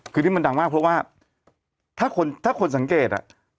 คือที่มันดังมากเพราะว่าถ้าคนถ้าคนสังเกตอ่ะ